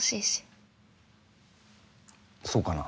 そうかな？